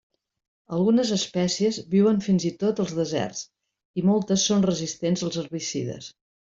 Algunes espècies viuen fins i tot als deserts i moltes són resistents als herbicides.